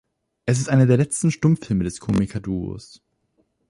Es ist einer der letzten Stummfilme des Komikerduos.